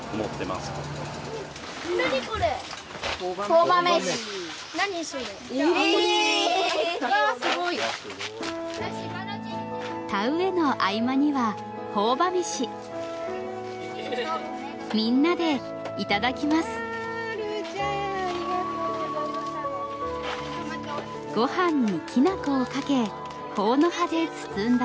ご飯にきなこをかけほうの葉で包んだもの。